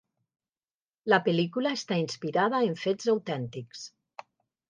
La pel·lícula està inspirada en fets autèntics.